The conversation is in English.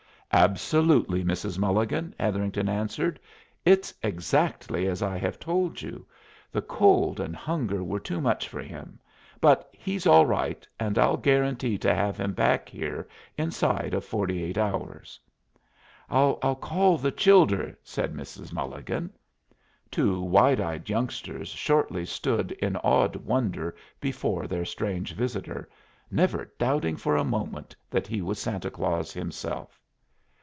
"Absolutely, Mrs. Mulligan," Hetherington answered. "It's exactly as I have told you. The cold and hunger were too much for him, but he's all right, and I'll guarantee to have him back here inside of forty eight hours." "I'll call the childer," said Mrs. Mulligan. Two wide eyed youngsters shortly stood in awed wonder before their strange visitor, never doubting for a moment that he was Santa Claus himself.